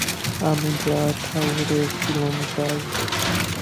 আমি যা ঠাউরেছিলুম তাই।